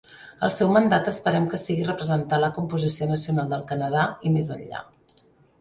El seu mandat esperem que sigui representar la composició nacional del Canadà i més enllà.